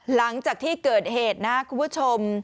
หลังจากที่เกิดเหตุนะครับคุณผู้ชม